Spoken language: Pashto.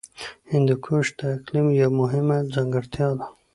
هندوکش د اقلیم یوه مهمه ځانګړتیا ده.